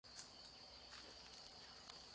กลับไปทำชีวิต